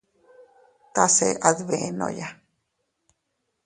Tase a dbenoya.